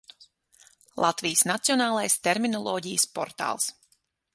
Latvijas Nacionālais terminoloģijas portāls